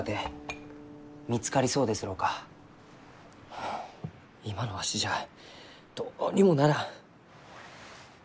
はあ今のわしじゃどうにもならん。